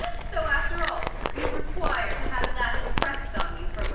] So, after all, you require to have that impressed on you from without?